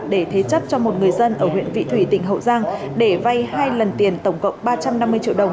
để thế chấp cho một người dân ở huyện vị thủy tỉnh hậu giang để vay hai lần tiền tổng cộng ba trăm năm mươi triệu đồng